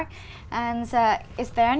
khu vực việt nam